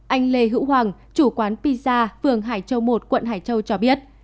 anh lê hữu hoàng chủ quán pisa phường hải châu một quận hải châu cho biết